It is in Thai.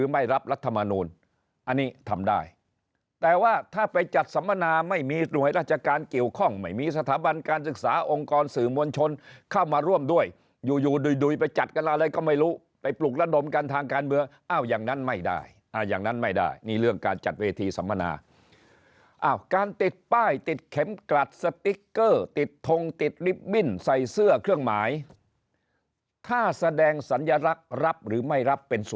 ไม่มีหน่วยราชการเกี่ยวข้องไม่มีสถาบันการศึกษาองค์กรสื่อมวลชนเข้ามาร่วมด้วยอยู่ดุยไปจัดกันอะไรก็ไม่รู้ไปปลุกระดมกันทางการเบื้ออ้าวอย่างนั้นไม่ได้อย่างนั้นไม่ได้นี่เรื่องการจัดเวทีสัมมนาอ้าวการติดป้ายติดเข็มกลัดสติกเกอร์ติดทงติดลิบบิ้นใส่เสื้อเครื่องหมายถ้าแสดงสัญลักษ